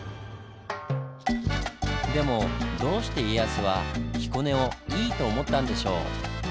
でもどうして家康は彦根をイイと思ったんでしょう？